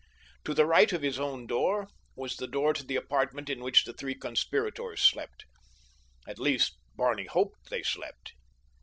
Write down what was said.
To the right of his own door was the door to the apartment in which the three conspirators slept. At least, Barney hoped they slept.